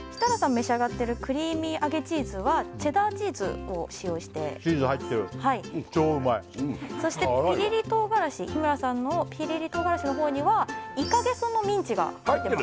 召し上がってるクリーミー揚げチーズはチェダーチーズを使用していますチーズ入ってる超うまい辛いわそして日村さんのぴりり唐辛子のほうにはイカゲソのミンチが入ってます